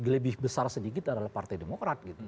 lebih besar sedikit adalah partai demokrat gitu